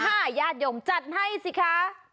อ่าญาติหย่มจัดให้สิค่ะ